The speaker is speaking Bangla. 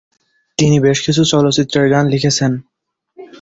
তিনি বেশকিছু চলচ্চিত্রের গান লিখেছেন।